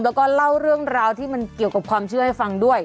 แล้วก็เล่าเรื่องราวที่มันเกี่ยวกับความเชื่อให้ฟังด้วย